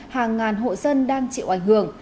hàng ngàn hộ dân đang chịu ảnh hưởng